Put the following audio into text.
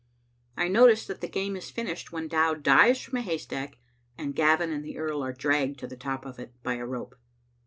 I notice that the game is finished when Dow dives from a haystack, and Gavin and the earl are dragged to the top of it by a rope.